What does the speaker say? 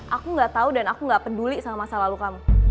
aku gak tau dan aku nggak peduli sama masa lalu kamu